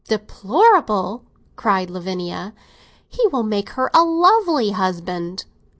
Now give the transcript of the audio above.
"Deplorable?" cried Lavinia. "He will make her a lovely husband!"